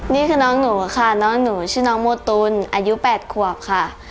นี่คือน้องหนูค่ะน้องหนูชื่อน้องโมตุลอายุ๘ขวบค่ะ